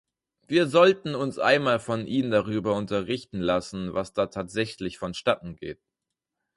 Wir sollten uns einmal von ihnen darüber unterrichten lassen, was da tatsächlich vonstatten geht.